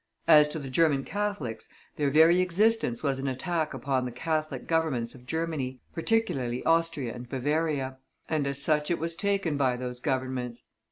As to the German Catholics, their very existence was an attack upon the Catholic Governments of Germany, particularly Austria and Bavaria; and as such it was taken by those Governments.